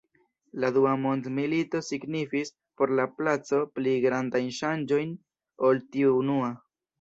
La dua mondmilito signifis por la placo pli grandajn ŝanĝojn ol tiu unua.